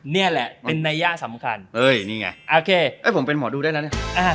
นี่แหละเป็นนัยยะสำคัญเอ้ยนี่ไงโอเคเอ้ยผมเป็นหมอดูได้แล้วเนี่ย